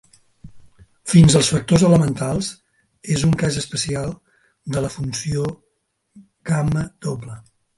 Fins als factors elementals, és un cas especial de la funció gamma doble.